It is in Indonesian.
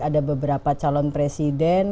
ada beberapa calon presiden